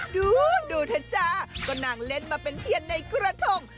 ดูดูเถอะจ้าก็นั่งเล่นมาเป็นเทียนในกระทง